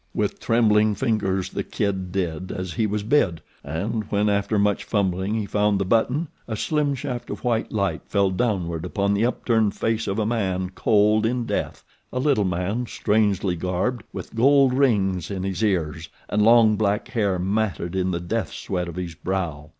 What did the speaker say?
With trembling fingers the Kid did as he was bid, and when after much fumbling he found the button a slim shaft of white light fell downward upon the upturned face of a man cold in death a little man, strangely garbed, with gold rings in his ears, and long black hair matted in the death sweat of his brow.